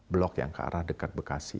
blok yang ke arah dekat bekasi